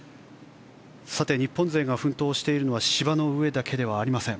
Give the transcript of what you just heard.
日本勢が奮闘しているのは芝の上だけではありません。